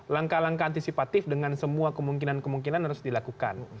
langkah langkah antisipatif dengan semua kemungkinan kemungkinan harus dilakukan